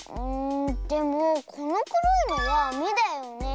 でもこのくろいのはめだよねえ？